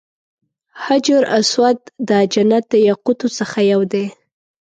حجر اسود د جنت د یاقوتو څخه یو دی.